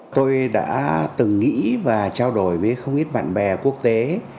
tôi đã từng nghĩ và trao đổi với không ít bạn bè quốc tế